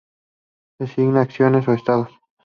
Designan acciones o estados.